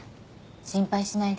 心配しないで。